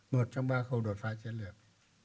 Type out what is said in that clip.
một trong ba khâu đột phá chiến lược